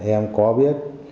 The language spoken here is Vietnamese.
em có biết